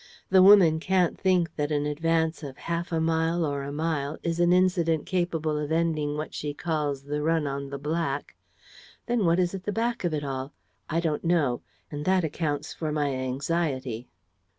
The woman can't think that an advance of half a mile or a mile is an incident capable of ending what she calls the run on the black. Then what is at the back of it all? I don't know; and that accounts for my anxiety."